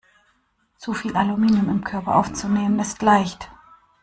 Zu viel Aluminium im Körper aufzunehmen, ist leicht.